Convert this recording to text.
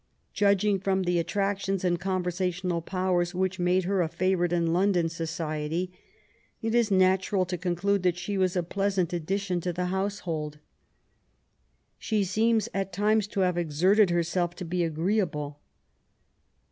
Judging from the attractions and conversational powers which made her a favourite in London society, it is natural to conclude she was a pleasant addition to the household. She seems at times to have exerted herself to be agreeable.